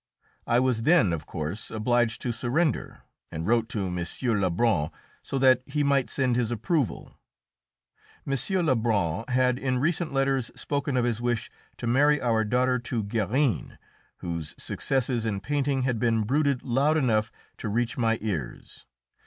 I was then, of course, obliged to surrender, and wrote to M. Lebrun, so that he might send his approval. M. Lebrun had in recent letters spoken of his wish to marry our daughter to Guérin, whose successes in painting had been bruited loud enough to reach my ears.